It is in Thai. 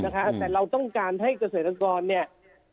แต่เราต้องการให้เกษตรกรเนี่ย